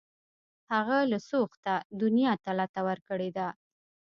هغه له سوخته دنیا ته لته ورکړې ده